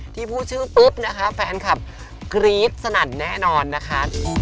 ที่พูดชื่อปุ๊บนะคะแฟนคลับกรี๊ดสนั่นแน่นอนนะคะ